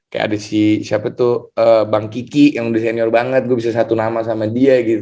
kayak ada si siapa tuh bang kiki yang udah senior banget gue bisa satu nama sama dia gitu